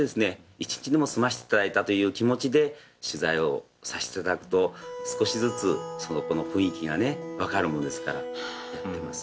１日でも住ませて頂いたという気持ちで取材をさせて頂くと少しずつそこの雰囲気がね分かるもんですからやってます。